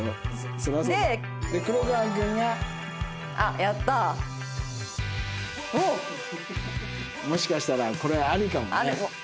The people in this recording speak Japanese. で黒川君が。あっやったー！おっ！もしかしたらこれあるかもね４組。